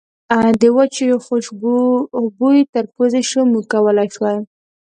د وچو خوشبو بوی تر پوزې شو، موږ کولای شوای.